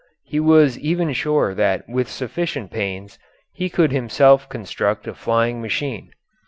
He was even sure that with sufficient pains he could himself construct a flying machine.